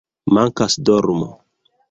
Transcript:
"Mankas dormo"